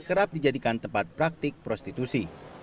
kerap dijadikan tempat praktik prostitusi